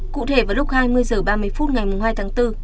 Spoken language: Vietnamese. cụ thể vào lúc hai mươi h ba mươi phút ngày hai tháng bốn